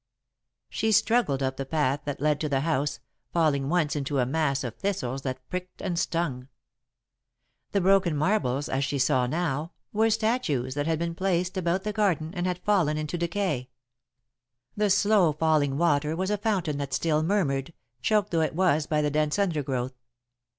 She struggled up the path that led to the house, falling once into a mass of thistles that pricked and stung. The broken marbles, as she saw now, were statues that had been placed about the garden and had fallen into decay. The slow falling water was a fountain that still murmured, choked though it was by the dense undergrowth.